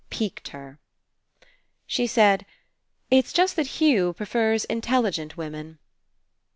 Piqued her. She said: "It just happens that Hugh prefers intelligent women."